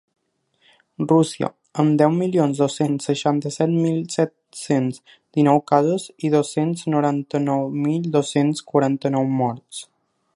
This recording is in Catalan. Rússia, amb deu milions dos-cents seixanta-set mil set-cents dinou casos i dos-cents noranta-nou mil dos-cents quaranta-nou morts.